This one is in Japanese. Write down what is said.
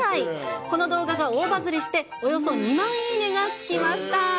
この動画が大バズりして、およそ２万いいねがつきました。